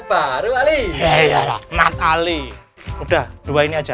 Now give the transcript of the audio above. barbary yaknat ali udah dua ini aja